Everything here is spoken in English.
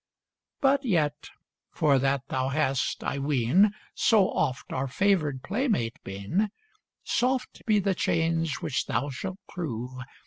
But yet, for that thou hast, I ween, So oft our favored playmate been, Soft be the change which thou shalt prove!